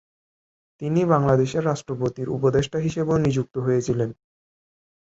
তিনি বাংলাদেশের রাষ্ট্রপতির উপদেষ্টা হিসেবেও নিযুক্ত হয়েছিলেন।